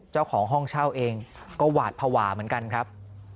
เจ้าของห้องเช่าเองก็หวาดภาวะเหมือนกันครับ